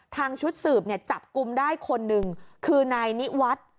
ทางชุดสืบจับกุมได้คนหนึ่งคือนายนิวัฒน์